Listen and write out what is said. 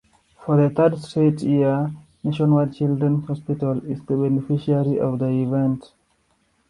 For the third straight year, Nationwide Children's Hospital is the beneficiary of the event.